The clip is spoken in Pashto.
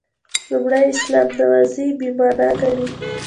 لومړي اسلام نوسازي «بې معنا» ګڼي.